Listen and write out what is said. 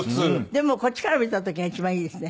でもこっちから見た時が一番いいですね。